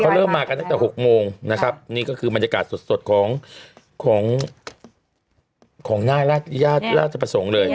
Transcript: เริ่มมากันตั้งแต่๖โมงนะครับนี่ก็คือบรรยากาศสดของของหน้าราชประสงค์เลย